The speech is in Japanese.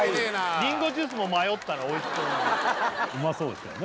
リンゴジュースも迷ったのおいしそうなのうまそうですからね